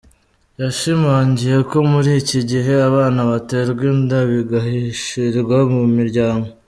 Yashimangiye ko muri iki gihe abana baterwa inda bigahishirwa mu miryango.